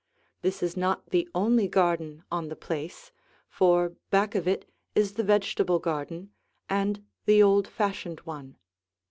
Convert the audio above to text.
This is not the only garden on the place, for back of it is the vegetable garden and the old fashioned one.